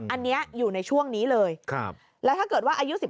อันนี้อยู่ในช่วงนี้เลยแล้วถ้าเกิดว่าอายุ๑๙